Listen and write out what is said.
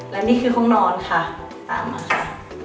และนี่คือห้องนอนค่ะตามมาค่ะ